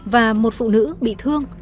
và một phụ nữ bị thương